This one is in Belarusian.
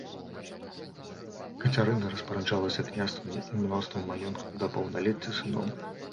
Кацярына распараджалася княствамі і мноствам маёнткаў да паўналецця сыноў.